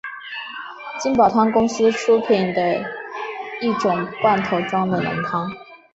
金宝汤公司出品的一种罐头装的浓汤。